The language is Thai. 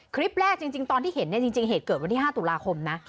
คลิปแรกจริงตอนที่เห็นจริงเหตุเกิดวันที่๕ตุลาคมนะ